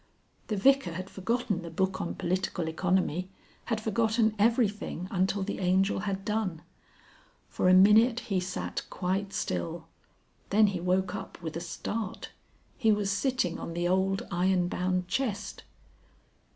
The Vicar had forgotten the book on Political Economy, had forgotten everything until the Angel had done. For a minute he sat quite still. Then he woke up with a start. He was sitting on the old iron bound chest.